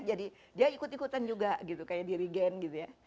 jadi dia ikut ikutan juga gitu kayak dirigen gitu ya